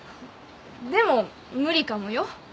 でも無理かもよ。